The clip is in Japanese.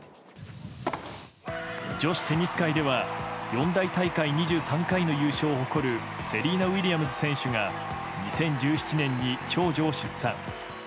女子テニス界では四大大会優勝２３回を誇るセリーナ・ウィリアムズ選手が２０１７年に長女を出産。